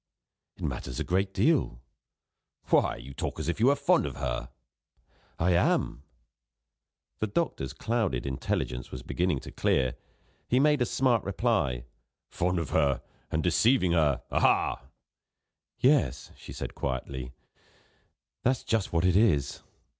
"It matters a great deal." "Why, you talk as if you were fond of her!" "I am." The doctor's clouded intelligence was beginning to clear; he made a smart reply: "Fond of her, and deceiving her aha!" "Yes," she said quietly, "that's just what it is.